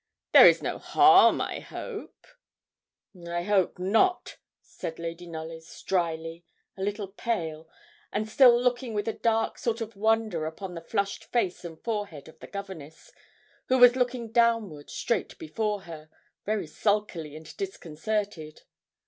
There is no harm, I hope?' 'I hope not,' said Lady Knollys, drily, a little pale, and still looking with a dark sort of wonder upon the flushed face and forehead of the governess, who was looking downward, straight before her, very sulkily and disconcerted.